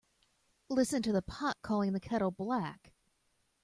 Listen to the pot calling the kettle black.